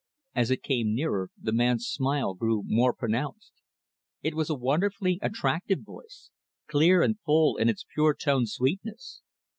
As it came nearer, the man's smile grew more pronounced It was a wonderfully attractive voice, clear and full in its pure toned sweetness.